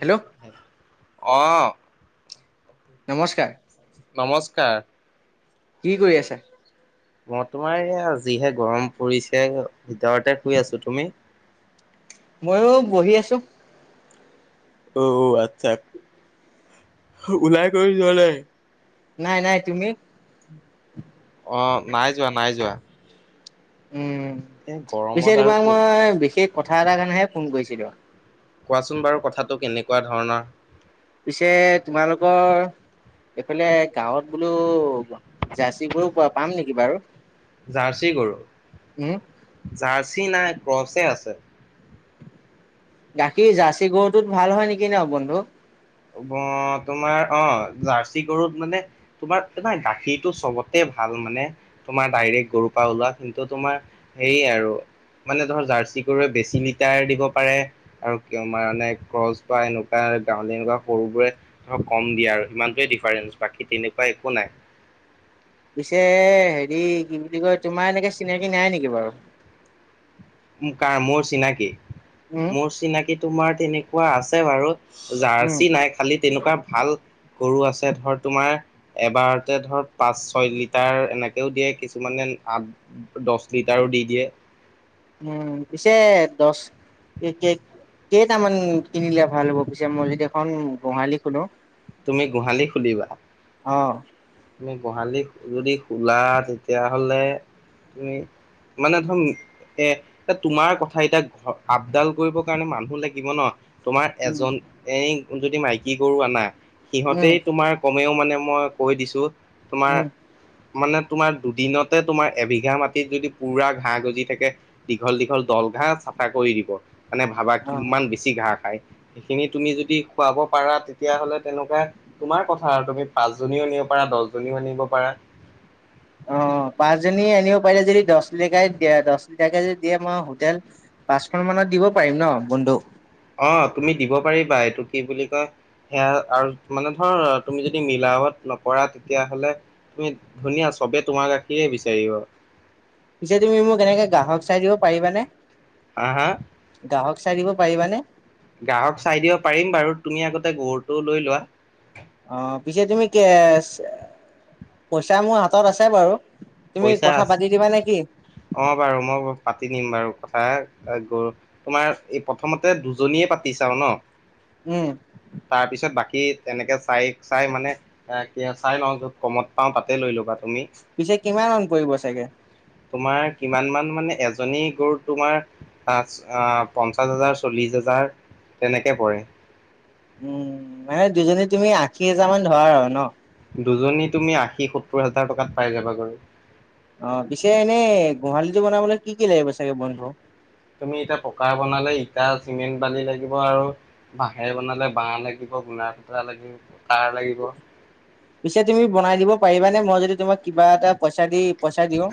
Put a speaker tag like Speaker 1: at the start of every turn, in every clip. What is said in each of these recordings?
Speaker 1: Hello
Speaker 2: [unintelligible] অ।
Speaker 1: নমস্কাৰ।
Speaker 2: কাৰ
Speaker 1: কি কৰি আছে?
Speaker 2: মই তোমাৰ এয়া আ যিহে গৰম পৰিছে ভিতৰতে শুই আছো। তুমি?
Speaker 1: ময়ো বহি আছো।
Speaker 2: অ আচ্ছা, ওলাই কলো যোৱা নাই?
Speaker 1: নাই নাই। তুমি?
Speaker 2: অ নাই যোৱা নাই যোৱা।
Speaker 1: উম।
Speaker 2: এই
Speaker 1: পিছে
Speaker 2: গৰমত আৰু
Speaker 1: তোমাক
Speaker 2: ক'ত
Speaker 1: মই বিশেষ কথা এটাৰ কাৰণেহে ফোন কৰিছিলো।
Speaker 2: কোৱাচোন বাৰু কথাটো কেনেকুৱা ধৰণৰ?
Speaker 1: পিছে তোমালোকৰ এইফালে গাঁৱত বোলো জাৰ্চী বোৰো পাম নেকি বাৰু?
Speaker 2: জাৰ্চি গৰু
Speaker 1: উম
Speaker 2: জাৰ্চি নাই, ক্ৰচছে আছে।
Speaker 1: গাখীৰ জাৰ্চি গৰুটোত ভাল হয় নেকি ন বন্ধু?
Speaker 2: অ তোমাৰ অ জাৰ্চি গৰুত মানে তোমাৰ এটাই গাখীৰটো চবতে ভাল মানে তোমাৰ ডাইৰেক্ট গৰুৰ পৰা ওলোৱা কিন্তু তোমাৰ হে আৰু মানে ধৰ জাৰ্চি গৰুৱে বেছি লিটাৰ দিব পাৰে আৰু কিয় মানে ক্ৰচ বা এনেকুৱা এ গাঁৱলী এনেকুৱা সৰুবোৰে ধৰক কম দিয়া আৰু সিমানটোৱেই ডিফাৰেঞ্চ বাকী তেনেকুৱা একো নাই।
Speaker 1: পিছে হেৰি কি বুলি কয় তোমাৰ এনেকে চিনাকি নাই নেকি বাৰু?
Speaker 2: কাৰ মোৰ চিনাকি
Speaker 1: উম
Speaker 2: মোৰ চিনাকি তোমাৰ তেনেকুৱা আছে বাৰু।
Speaker 1: উম
Speaker 2: জাৰ্চি নাই খালি তেনেকুৱা ভাল গৰু আছে ধৰ তোমাৰ। এবাৰতে ধৰক পাঁচ, ছয় লিটাৰ এনেকেও দিয়ে। কিছুমানে আঠ, দহ লিটাৰ। [unintelligible] দিয়ে।
Speaker 1: উম, পিছে দহ। এ কে কেইটামান কিনিলে ভাল হ'ব পিছে মই যদি এখন গোহালি খোলো?
Speaker 2: তুমি গোহালি খুলিবা?
Speaker 1: অ।
Speaker 2: তুমি গোহালি যদি খোলা তেতিয়া হ'লে তুমি মানে ধম এ এ তোমাৰ কথা এতিয়া আপডাল কৰিবৰ কাৰণে মানুহ লাগিব ন। তোমাৰ
Speaker 1: উম
Speaker 2: এজন এই যদি মাইকী গৰু আনা
Speaker 1: উম,
Speaker 2: সিহঁতেই তোমাৰ কম। তেওঁ মানে মই কৈ দিছো তোমাৰ
Speaker 1: উম,
Speaker 2: মানে তোমাৰ দুদিনতে তোমাৰ এবিঘা মাটিত যদি পুৰা ঘাঁ গজি থাকে দীঘল, দীঘল দল ঘা চাফা কৰি দিব মানে ভাবা
Speaker 1: অ', অ',
Speaker 2: কিমান বেছি ঘা খাই। সেইখিনি তুমি যদি খুৱাব পাৰা তেতিয়া হ'লে তেনেকুৱা তোমাৰ কথা আৰু তুমি পাঁচজনীও নিয় পাৰা দহজনীও আনিব পাৰা।
Speaker 1: অ পাঁচজনী আনিব পাৰিলে যদি দহ লিকাই দিয়ে দহ লিটাকে যদি দিয়ে মই হোটেল পাঁচখন মানত দিব পাৰিম ন বন্ধু।
Speaker 2: অ তুমি দিব পাৰিবা এইটো কি বুলি কয় সেয়া আৰু মানে ধৰ তুমি যদি মিলাৱত নকৰা তেতিয়া হ'লে তুমি ধুনীয়া চবে তোমাৰ গাখীৰে বিচাৰিব।
Speaker 1: পিছে তুমি মোক এনেকে গ্ৰাহক চাই দিব পাৰিবানে?
Speaker 2: হা হা
Speaker 1: গ্ৰাহক চাই দিব পাৰিবানে?
Speaker 2: গাহক চাই দিব পাৰিম বাৰু তুমি আগতে গৰুটো লৈ লোৱা।
Speaker 1: অ', পিছে তুমি কে পইচা মোৰ হাতত আছে বাৰু। তুমি
Speaker 2: পইচা
Speaker 1: কথা
Speaker 2: আছে
Speaker 1: পাতি দিবানে কি?
Speaker 2: অ', বাৰু মই পাতি দিম বাৰু কথা গৰু তোমাৰ এই প্ৰথমতে দুজনীয়ে পাতি চাওঁ ন,
Speaker 1: উম,
Speaker 2: তাৰপিছত বাকী তেনেকে চাই চাই মানে এ কি চাই ন য'ত কমত পাওঁ তাতে লৈ ল'বা। তুমি
Speaker 1: পিছে কিমান মান পৰিব চাগে?
Speaker 2: তোমাৰ কিমান মান মানে এজনী গৰু তোমাৰ তাত আহ পঞ্চাশ হাজাৰ চল্লিশ হাজাৰ তেনেকে পৰে।
Speaker 1: উম মানে দুজনীত তুমি আশী হেজাৰ মান ধৰা আৰু ন?
Speaker 2: দুজনী তুমি আশী সত্তৰ হাজাৰ টকাত পাই যাবা বাৰু।
Speaker 1: অ', পিছে এনেই গোহালিটো বনাবলৈ কি কি লাগিব চাগে বন্ধু?
Speaker 2: তুমি এতিয়া পকাৰ বনালে ইটা চিমেণ্ট বালি লাগিব আৰু বাঁহেৰে বনালে বাঁহ লাগিব গুণা সুঁতা লাগিব তাঁৰ লাগিব। [inaudible]
Speaker 1: পিছে তুমি বনাই দিব পাৰিবানে মই যদি তোমাক কিবা এটা পইচা দি পইচা দিওঁ।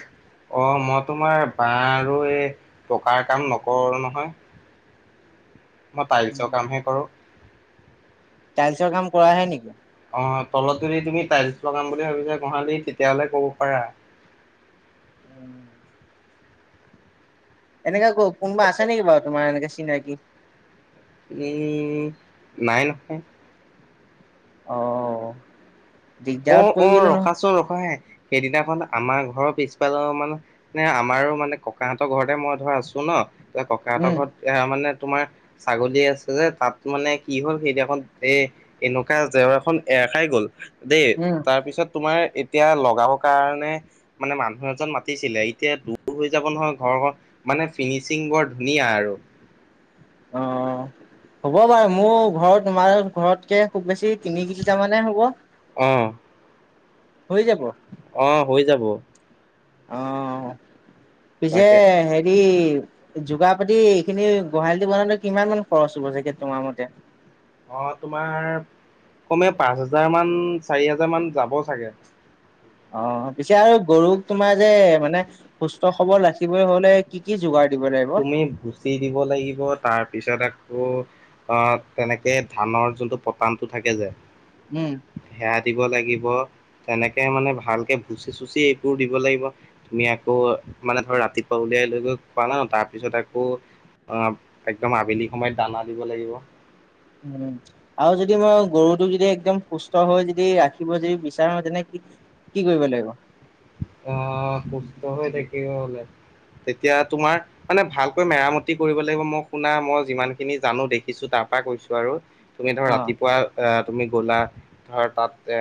Speaker 2: অ', মই তোমাৰ বা আৰু এই পকাৰ কাম নকৰো নহয়। মই টাইলছৰ কামহে কৰো।
Speaker 1: টাইলছৰ কাম কৰা হে নেকি?
Speaker 2: অ', তলত যদি তুমি টাইলছ লগাম [unintelligible] তেতিয়াহ'লে ক'ব পাৰা।
Speaker 1: এনেকা ক-কোনোবা আছে নেকি বাৰু তোমাৰ এনে চিনাকি?
Speaker 2: উম, নাই নহয়।
Speaker 1: অ।
Speaker 2: অ
Speaker 1: দিগদাৰত পৰি
Speaker 2: অ
Speaker 1: গলো নহয়।
Speaker 2: ৰখাচোন ৰখা হে সেইদিনাখন আমাৰ ঘৰৰ পিছ ফালৰ মানে আমাৰো মানে ককাহঁতৰ ঘৰতে মই ধৰা আছো ন ককাহতৰ
Speaker 1: উম,
Speaker 2: ঘৰত এ মানে তোমাৰ ছাগলী আছে যে তাত মানে কি হ'ল সেইদিনাখন এ এনেকুৱা [unintelligible] এখন এ দেখাই গ'ল দেই
Speaker 1: উম,
Speaker 2: তাৰপিছত তোমাৰ এতিয়া লগও কাৰণে মানে মানুহ এজন মাতিছিলে এতিয়া দূৰ হৈ যাব নহয় ঘৰখন মানে ফিনিচিং বৰ ধুনীয়া আৰু।
Speaker 1: অ। হ'ব বাৰু মোৰ ঘৰত তোমাৰ ঘৰতকে খুব বেছি তিনি কিলোমিটাৰ মানে হ'ব।
Speaker 2: অঁ।
Speaker 1: হৈ যাব।
Speaker 2: অ হৈ যাব।
Speaker 1: অ পিছে
Speaker 2: তাকে
Speaker 1: হেৰি যোগাৰ পাতি এইখিনি গোহালিটো বনাতে কিমান মান খৰচ হ'ব জেকেট তোমাৰ মতে?
Speaker 2: অ তোমাৰ কমে পাঁচ হাজাৰ মান চাৰি হাজাৰ মান যাব চাগে।
Speaker 1: অ পিছে আৰু গৰুক তোমাৰ যে মানে সুস্থ খবৰ ৰাখিবলৈ হলে কি কি যোগাৰ? দিব লাগিব?
Speaker 2: তুমি ভুচি দিব লাগিব তাৰপিছত আকৌ আহ তেনেকে ধানৰ যোনটো পতানতটো থাকে যে
Speaker 1: উম।
Speaker 2: সেয়া দিব লাগিব তেনেকে মানে ভালকে ভুচি চুচি এইবোৰ দিব লাগিব তুমি আকৌ মানে ধৰ ৰাতিপুৱা উলিয়াই লৈ গৈ পোৱা ন তাৰপিছত আকৌ অ একদম আবেলি সময়ত দানা দিব লাগিব।
Speaker 1: উম আৰু যদি মই গৰুটোক যদি একদম সুস্থ হৈ যদি ৰাখিব যদি বিচাৰো তেনে কি কি কৰিব লাগিব?
Speaker 2: আহ সুস্থ হৈ থাকিব হলে? তেতিয়া তোমাৰ মানে ভালকৈ মেৰামতি কৰিব লাগিব মই শুনা মই যিমান খিনি জানো দেখিছো তাৰ পা কৈছো আৰু তুমি ধৰা
Speaker 1: অ',
Speaker 2: ৰাতিপুৱা আহ তুমি গ'লা ধৰ তাত এ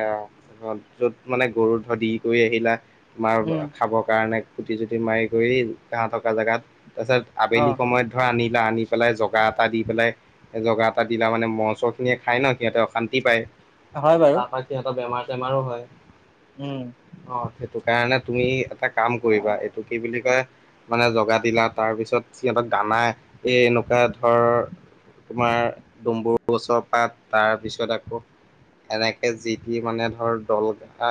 Speaker 2: যত মানে গৰু [unintelligible] দি কৰি আহিলা তোমাৰ
Speaker 1: উম,
Speaker 2: খাবৰ কাৰণে কুটি জুটি মাৰি কৰি তাহতক এটা জেগাত তাৰপিছত আবেলি
Speaker 1: অ',
Speaker 2: সময়ত ধৰা আনিলা আনি পেলাই জগাত এটা দি পেলাই জগা এটা দিলা মানে মহ চহ খিনিয়ে খায় ন সিহঁতে অশান্তি পায়।
Speaker 1: হয় বাৰু।
Speaker 2: তাৰপৰা সিহঁতৰ বেমাৰ চেমাৰো হয়।
Speaker 1: উম।
Speaker 2: সেই কাৰণে তুমি এটা কাম কৰিবা এইটো কি বুলি কয় মানে জগা দিলা তাৰপিছত সিহঁতক গা আমাৰ এই এনেকুৱা ধৰ তোমাৰ ডম্বৰু গছৰ পাত তাৰপিছত আকৌ এনেকে যি টি মানে ধৰ দল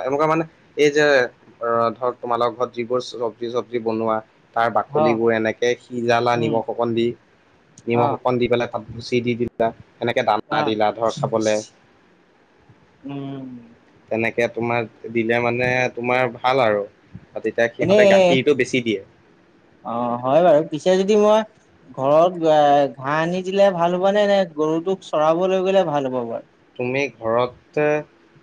Speaker 2: এনেকুৱা মানে এই যে ধৰক তোমালোকৰ ঘৰত যিবোৰ চবজি চবজি বনোৱা তাৰ
Speaker 1: অ',
Speaker 2: বাকলিবোৰ এনেকে সিজালা
Speaker 1: উম,
Speaker 2: নিমখ অকণ দি,
Speaker 1: অ',
Speaker 2: নিমখ অকণ দি পেলাই তাত ভুচি দি দিলা এনেকে দানা
Speaker 1: অ',
Speaker 2: দিলা ধৰ খাবলে
Speaker 1: উম।
Speaker 2: এনেকে তোমাৰ দিলে মানে তোমাৰ ভাল আৰু। আৰু তেতিয়া সিহঁতে
Speaker 1: এনেই
Speaker 2: গাখীৰটো বেছি দিয়ে
Speaker 1: অ হয় বাৰু পিছে যদি মই ঘৰত ঘাঁহ আনি দিলে ভাল হ'ব নে নে গৰুটোক চৰাবলৈ গ'লে ভাল হ'ব বাৰু?
Speaker 2: আমি ঘৰতে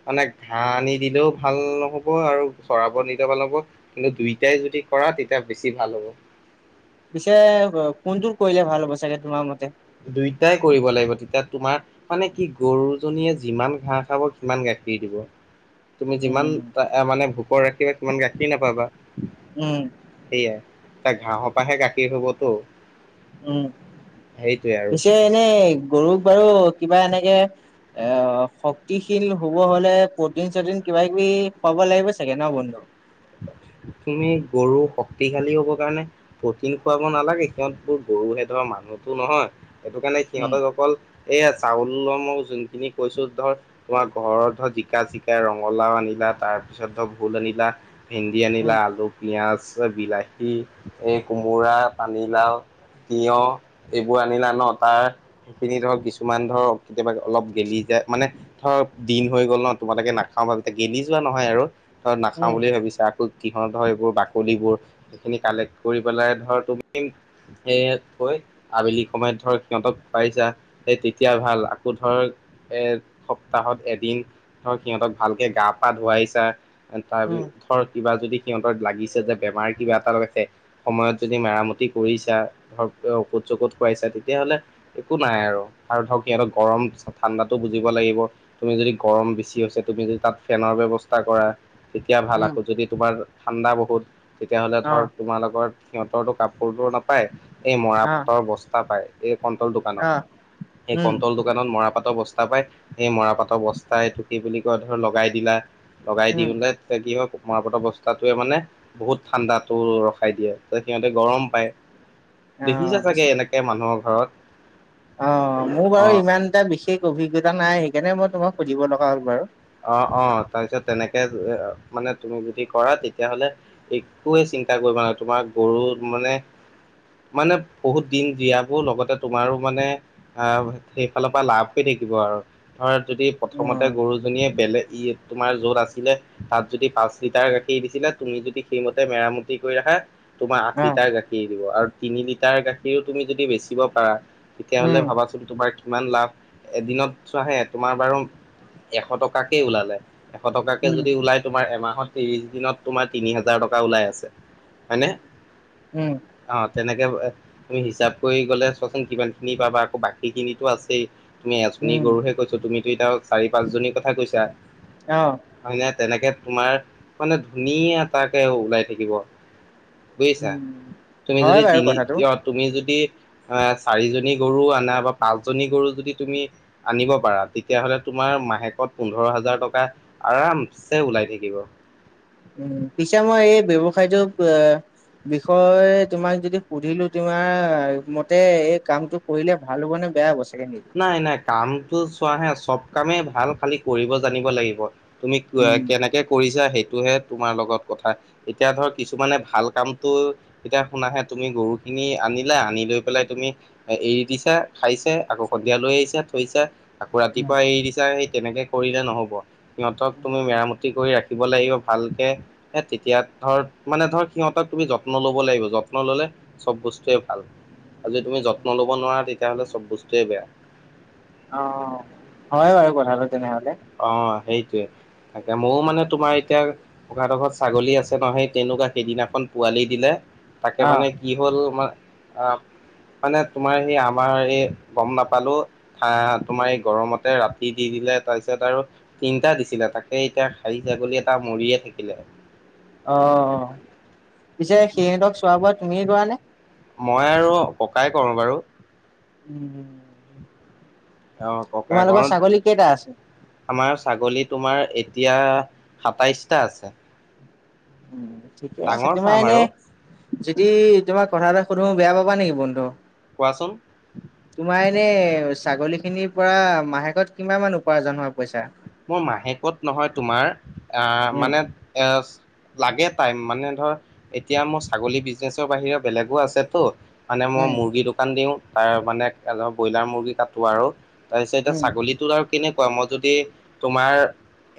Speaker 2: মানে ঘাঁহ আনি দিলেও ভাল নহব আৰু চৰাব নিলেও ভাল হব কিন্তু দুইটাই যদি কৰা তেতিয়া বেছি ভাল হ'ব।
Speaker 1: পিছে কোনটোত কৰিলে ভাল হ'ব চাগে তোমাৰ মতে?
Speaker 2: দুইটাই কৰিব লাগিব তেতিয়া তোমাৰ মানে কি গৰুজনীয়ে যিমান ঘাঁ খাব সিমান গাখীৰ দি দিব। তুমি যিমান
Speaker 1: উম।
Speaker 2: মানে ভোকৰ ৰাখিবা সিমান গাখীৰ নাপাবা
Speaker 1: উম,
Speaker 2: সেইয়াই তাৰ ঘাঁহৰ পৰাহে গাখীৰ হবতো।
Speaker 1: উম,
Speaker 2: সেইটোৱে আৰু
Speaker 1: পিছে এনেই গৰু বাৰু কিবা এনেকে অ, শক্তিশীল হব হলে প্ৰটিন-চটিন কিবা-কিবি, পাব লাগিব চাগে ন বন্ধু?
Speaker 2: তুমি গৰু শক্তিশালী হ'বৰ কাৰণে প্ৰটিন খুৱাব নালাগে, সিহঁতবোৰ গৰুহে ধৰা মানুহতো নহয়। সেইটো কাৰণে
Speaker 1: উম,
Speaker 2: সিহঁতৰ অকল এয়া চাউল মই যোনখিনি কৈছো ধৰ তোমাৰ ঘৰত ধৰা জিকা-চিকা ৰঙালাও আনিলা। তাৰ পিছত ধৰক ভোল আনিলা ভেন্দি আনিলা
Speaker 1: উম,
Speaker 2: আলু, পিয়াজ, বিলাহী, এই কোমোৰাঁ, পানীলাও, তিয়হ এইবোৰ আনিলা ন তাৰ সেইখিনি ধৰক কিছুমান ধৰক কেতিয়াবা অলপ গেলি যায়। মানে ধৰক দিন হৈ গ'ল ন তোমালোকে নাখাও বা এতিয়া গেলি যোৱা নহয় আৰু। ত নাখাওঁ
Speaker 1: উম,
Speaker 2: বুলিয়ে ভাবিছো। কিহৰ ধৰ এইবোৰ বাকলিবোৰ এইখিনি কালেক্ট কৰি পেলাই ধৰ তুমি এ, আবেলি সময়ত ধৰক সিহঁতক খুৱাইছা এই তেতিয়া ভাল আকৌ ধৰ এ, সপ্তাহত এদিন ধৰক সিহঁতক ভালকে গা, পা ধুৱাইছা তাৰ পি
Speaker 1: উম,
Speaker 2: ছত যদি সিহঁতত লাগিছে যে বেমাৰ কিবা এটা হৈ আছে সময়ত যদি মেৰামতি কৰিছা ধৰক, ঔষধ-চৌখধ খুৱাইছা তেতিয়া হ'লে একো নাই আৰু আৰু ধৰক সিহঁতক গৰম ঠাণ্ডাটো বুজিব লাগি গিব তুমি যদি গৰম বেছি আছে, তুমি যদি তাত ফেনৰ ব্যৱস্থা কৰা। তেতিয়া ভাল,
Speaker 1: উম,
Speaker 2: আকৌ যদি তোমাৰ ঠাণ্ডা বহুত তেতিয়াহ'লে ধৰ
Speaker 1: অ',
Speaker 2: তোমাৰ লগৰ সিহঁতৰো কাপ- কাপোৰ টো নাপায় এই
Speaker 1: অ',
Speaker 2: মৰাপাটৰ বস্তা পায়, এই কণ্টল দোকানত।
Speaker 1: অ',
Speaker 2: সেই
Speaker 1: উম,
Speaker 2: কণ্টল দোকানত মৰা পাতৰ বস্ তাৰপাই সেই মৰাপাতৰ বস্তা এইটো কি বুলি কয় ধৰ লগাই দিলা। লগাই দি
Speaker 1: উম।
Speaker 2: বোলে, তেতিয়া কি হয় মৰাপটৰ বস্তাটোৱে মানে বহুত ঠাণ্ডাটো ৰখাই দিয়ে, ত' সিহঁতে গৰম পায়।
Speaker 1: অ',
Speaker 2: দেখিছা চাগে এনেকে মানুহৰ ঘৰত?
Speaker 1: অঁ, মোৰ
Speaker 2: অ
Speaker 1: বাৰু ইমান এটা বিশেষ অভিজ্ঞতা নাই সেইকাৰণে মই তোমাক সুধিব লগা হ'ল বাৰু।
Speaker 2: অঁ অঁ তাৰপিছত তেনেকে এ মানে তুমি যদি কৰা তেতিয়াহ'লে একোৱে চিন্ চিন্তা কৰিব নালাগে তোমাৰ গৰু মানে মানে বহুত দিন জীয়াবও লগতে তোমাৰো মানে আহ সেইফালৰ পৰা লাভ হে দিব আৰু ধৰ যদি প্ৰথমতে
Speaker 1: উম,
Speaker 2: গৰুজনীয়ে বেলেগ ই তোমাৰ য'ত আছিলে তাত যদি পাঁচ লিটাৰ গাখীৰ দিছিলে, তুমি যদি সেইমতে মেৰামতি কৰি ৰাখা তোমাৰ আঠ
Speaker 1: অ',
Speaker 2: লিটাৰ গাখীৰ দিব। আৰু তিনি লিটাৰ গাখীৰো তুমি যদি বেচিব পাৰা তেতিয়া হ'লে
Speaker 1: উম,
Speaker 2: ভাবাচোন তোমাৰ কিমান লাভ এদিনত চোৱা হে তোমাৰ বাৰু এশ টকা টকাকেই ওলালে এশ টকাকে
Speaker 1: উম,
Speaker 2: যদি ওলাই তোমাৰ এমাহত ত্ৰিৰিশ দিনত তোমাৰ তিনি হাজাৰ টকা ওলাই আছে হয়নে?
Speaker 1: উম,
Speaker 2: অঁ তেনে- এ তুমি হিচাপ কৰি গ'লে চোৱাচোন কিমান খিনি পাবা, আকৌ বাকী খিনিটো আছেই। তুমি এজনী
Speaker 1: উম,
Speaker 2: গৰুহে কৈছো, তুমিতো এতিয়া চাৰি পাঁচজনী কৈছা।
Speaker 1: অঁহ
Speaker 2: হয় নে তেনেকে তোমাৰ মানে, ধুনীয়া এটাকে ওলাই থাকিব। বুজিছা,
Speaker 1: উম।
Speaker 2: তুমি
Speaker 1: হয়
Speaker 2: যদি
Speaker 1: বাৰু
Speaker 2: তিনি
Speaker 1: কথাটো।
Speaker 2: অ তুমি যদি, এ চাৰিজনী গৰু আনা বা পাঁচজনী গৰু যদি তুমি আনিব পাৰা তেতিয়াহ'লে তুমি, তোমাৰ মাহেকত পোন্ধৰ হাজাৰ টকা আৰামছে ওলাই থাকিব।
Speaker 1: উম, পিছে মই এই ব্যৱসায়টো বে বিষয় তোমাক যদি সুধিলো তোমাৰ মতে এই কামটো কৰিলে ভাল হ'ব নে বেয়া হব। চাগে নেকি?
Speaker 2: নাই-নাই কামটো চোৱা হা চব কামেই ভাল খালি কৰিব জানিব লাগিব। তুমি
Speaker 1: উম,
Speaker 2: কৱা-কেনেকে কৰিছা সেইটোহে। তোমাৰ লগত কথা, এতিয়া ধৰ কিছুমানে ভাল কামটো, এতিয়া শুনাহে তুমি গৰু খিনি আ আনিলা আনি লৈ পেলাই তুমি এৰি দিছা খাইছে আকৌ, সন্ধিয়া লৈ আহিচা থৈছা, আকৌ
Speaker 1: উম,
Speaker 2: ৰাতিপুৱা এৰি দিছা সেই তেনেকে কৰিলে নহব। সিহঁতক তুমি মেৰামতি কৰি ৰাখি দিব লাগিব ভালকে এ, তেতিয়া ধৰ মানে ধৰ সিহঁতক তুমি যত্ন ল'ব লাগিব, যত্ন ললে চব বস্তুৱে ভাল। যদি তুমি যত্ন লব নোৱাৰা তেতিয়াহ'লে চব বস্তুৱে বেয়া।
Speaker 1: অ', হয় বাৰু কথাটো তেনেহলে।
Speaker 2: অ', সেইটোৱে। তাকে ময়ো মানে তোমাৰ এতিয়া ককা হঁতৰ ঘৰত ছাগলী আছে নহয়, তেনেকুৱা সেইদিনাখন পোৱালি দিলে। তাকে মানে
Speaker 1: অ',
Speaker 2: কি হ'ল মই, অ' মানে তোমাৰ সেই আমাৰ এই গম নাপালো, আ, তোমাৰ এই গৰমতে ৰাতি দি দিলে তাৰপিছত আৰু তিনটা দিছিলে তাকে এতিয়া খাহী ছাগলী এটা মৰিয়ে থাকিলে।
Speaker 1: অ', পিছে সিহঁতক চোৱা-বোৱা তুমিয়ে কৰা নে?
Speaker 2: মই আৰু ককায়ে কৰো বাৰু।
Speaker 1: উম, উম।
Speaker 2: [inaudible] অ', ককা
Speaker 1: তোমালোকৰ
Speaker 2: ঘৰত,
Speaker 1: ছাগলী কেইটা আছে?
Speaker 2: আমাৰ ছাগলী তোমাৰ এত, এতিয়া সাতাইছ টা আছে।
Speaker 1: উম, ঠিকে আছে,
Speaker 2: ডাঙৰ
Speaker 1: তোমাৰ
Speaker 2: ফাৰ্ম আৰু
Speaker 1: এনেই যদি তোমাক কথা এটা সুধো বেয়া পাবা নেকি বন্ধু?
Speaker 2: কোৱাচোন।
Speaker 1: তোমাৰ এনেই ছাগলী খিনিৰ পৰা মাহেকত কিমান মান উপাৰ্জন হয় পইচা।
Speaker 2: মোৰ মাহেকত নহয় তোমাৰ, আ,
Speaker 1: উম,
Speaker 2: মানে এ লাগে টাইম মানে ধৰ, এতিয়া মোৰ ছাগলী বিজনেচৰ বাহিৰে বেলেগো আছেতো। মানে মই
Speaker 1: উম,
Speaker 2: মুৰ্গী দোকান দিওঁ, তাৰ মানে এজন ব্ৰইলাৰ মুৰ্গী কাটো আৰু। তাৰপিছত এতিয়া
Speaker 1: উম।
Speaker 2: ছাগলীটোৰ আৰু কেনেকুৱা মই যদি তোমাৰ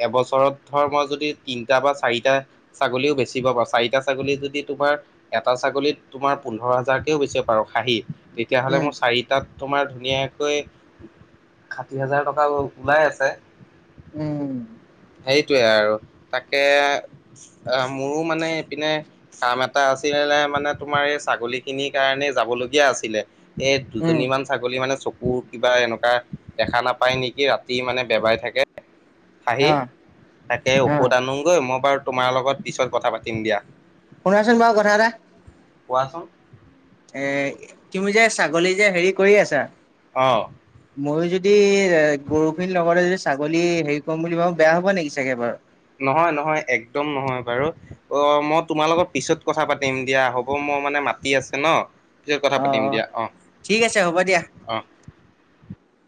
Speaker 2: এবছৰত ধৰ মই যদি তিনটা বা চাৰিটা ছাগলীও বেচিব পাও, চাৰিটা ছাগলীও যদি তো তোমাৰ, এটা ছাগলীত তোমাৰ পোন্ধৰ হাজাৰকেও বেচিব পাৰোঁ খাঁহী। তেতিয়াহ'লে
Speaker 1: উম,
Speaker 2: মোৰ চাৰিটাত তোমাৰ ধুনীয়াকৈ ষাঠি হাজাৰ টকা ওলাই আছে।
Speaker 1: উম।
Speaker 2: সেইটোৱে আৰু তাকে মোৰো মানে এইপিনে কাম এটা আছিলে। মানে তোমাৰ এই ছাগলী খিনিৰ কাৰণে যাবলগীয়া আছিলে, এই
Speaker 1: উম,
Speaker 2: দুজনী মান ছাগলী মানে চক কুৰ কিবা এনেকুৱা দেখা নাপায় নেকি, ৰাতি মানে বেবাই থাকে। খাহী,
Speaker 1: অ',
Speaker 2: তাকে
Speaker 1: অ',
Speaker 2: ঔষধ আনোগৈ। মই বাৰু তোমাৰ লগত পিছত কথা পাতিম দিয়া,
Speaker 1: শুনাচোন বাৰু কথা এটা
Speaker 2: কোৱাচোন।
Speaker 1: এ, তুমি যে ছাগলী যে হেৰি কৰি আছা?
Speaker 2: অ'।
Speaker 1: ময়ো যদি, এ গৰুখিনিৰ লগতে যদি ছাগলী হেৰি কৰিম বুলি ভাবো বেয়া হব নেকি চাগে বাৰু।
Speaker 2: নহয়-নহয়, একদম নহয় বাৰু। অ' মই তোমাৰ লগত পিছত কথা পাতিম দিয়া হ'ব। ম ম মানে মাতি আছে ন। পিছত কথা পাতিম দিয়া। অ'
Speaker 1: ঠিক আছে হ'ব দিয়া।
Speaker 2: অ'।